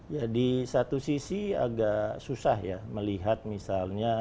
ya di satu sisi agak susah ya melihat misalnya